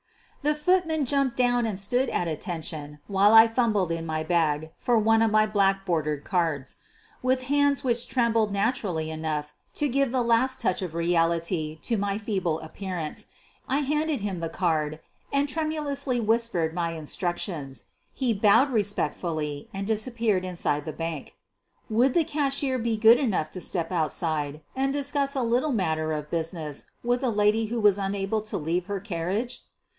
The footman jumped down and stood at attention while I fumbled in my bag for one of my black bordered cards. With hands which trembled natur ally enough to give the last touch of reality to my feeble appearance I handed him the card and tremu lously whispered my instructions. He bowed re spectfully and disappeared inside the bank. Would the cashier be good enough to step outside and discuss a little matter of business with a lady who was unable to leave her carriage?